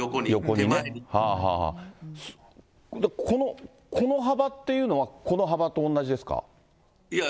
今度、この幅っていうのはこの幅と同じですか？